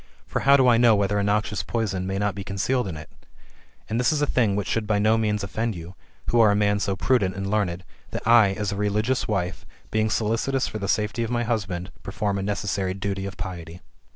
For how do I know whether a noxious poison may not be concealed in it ? And this is a thing which should by no means offend you, who are a man so prudent and learned, that I, as a religious wife, being solicitous for the safety of my husband, perform a necessary duty of piety.''